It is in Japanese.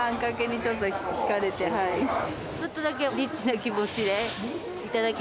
ちょっとだけリッチな気持ち